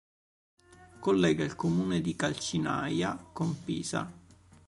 Collega il comune di Calcinaia con Pisa.